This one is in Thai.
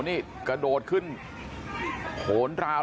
สวัสดีครับคุณผู้ชาย